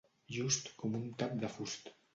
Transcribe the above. Just com un tap de fust.